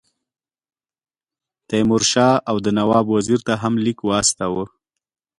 تیمور شاه اَوَد نواب وزیر ته هم لیک واستاوه.